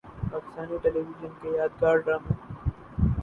Pakistan television کے یادگار ڈرامے